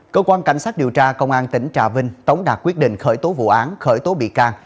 cơ quan cảnh sát điều tra công an tỉnh trà vinh tống đạt quyết định khởi tố vụ án khởi tố bị can